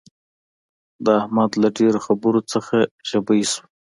د احمد له ډېرو خبرو څخه ژبۍ شوه.